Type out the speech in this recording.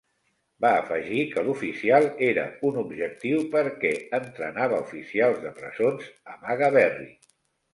Va afegir que l'oficial era un objectiu perquè entrenava oficials de presons a Maghaberry.